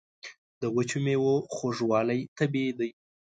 د وچو میوو خوږوالی طبیعي دی.